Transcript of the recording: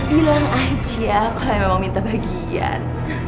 hilang aja kalau yang mau minta bagian